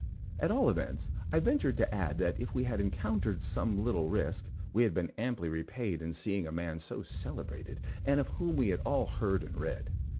At all events, I ventured to add if we had encountered some little risk, we had been amply repaid in seeing a man so celebrated, and of whom we had all heard and read.